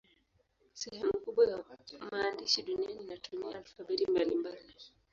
Sehemu kubwa ya maandishi duniani inatumia alfabeti mbalimbali.